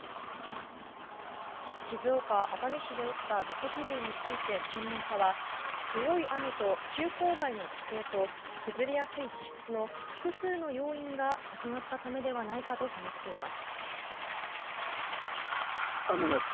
静岡・熱海市で起きた土石流について専門家は、強い雨と急勾配な地形と崩れやすい地質の複数の要因が重なったためではないかと話しています。